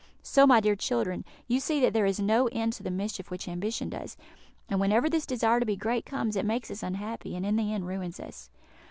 So, my dear children, you see that there is no end to the mischief which ambition does; and whenever this desire to be great comes, it makes us unhappy, and in the end ruins us."